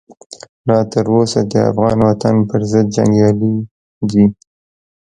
لا تر اوسه د افغان وطن پرضد جنګیالي دي.